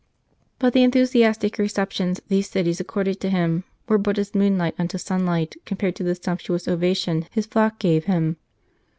But the enthusiastic receptions these cities accorded to him were but as moonlight unto sunlight compared to the sumptuous ovation his flock gave him.